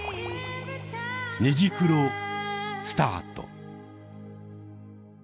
「虹クロ」スタート！